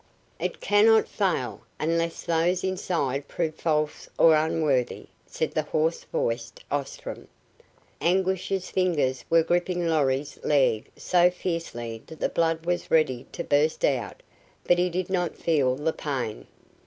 "It cannot fail, unless those inside prove false or unworthy," said the hoarse voiced Ostrom. Anguish's fingers were gripping Lorry's leg so fiercely that the blood was ready to burst out, but he did not feel the pain.